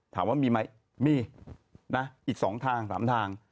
ถามว่ามีไหมมีนะอีก๒ทาง๓ทาง